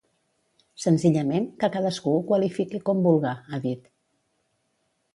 Senzillament, que cadascú ho qualifique com vulga, ha dit.